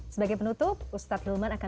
sebagai penutup ustadz hilman akan